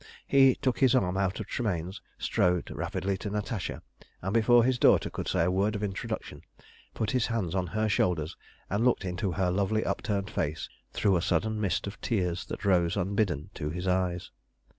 He took his arm out of Tremayne's, strode rapidly to Natasha, and, before his daughter could say a word of introduction, put his hands on her shoulders, and looked into her lovely upturned face through a sudden mist of tears that rose unbidden to his eyes.